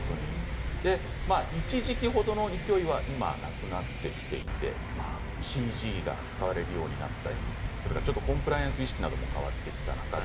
一時期程の勢いは今なくなってきていてＣＧが使われるようになったりコンプライアンス意識も変わってきたので